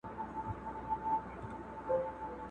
!هغه دي اوس له ارمانونو سره لوبي کوي!